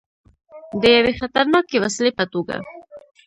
د یوې خطرناکې وسلې په توګه.